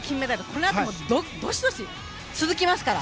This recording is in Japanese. このあともどしどし続きますから。